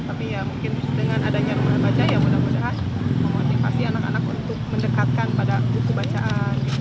tapi ya mungkin dengan adanya rumah baca ya mudah mudahan memotivasi anak anak untuk mendekatkan pada buku bacaan